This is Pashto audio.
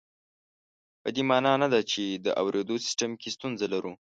په دې مانا نه ده چې د اورېدو سیستم کې ستونزه لرو